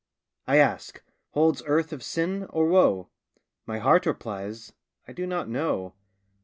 I ask, "Holds earth of sin, or woe?" My heart replies, "I do not know."